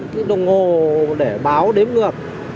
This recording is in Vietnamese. cái đồng hồ để báo đếm ngược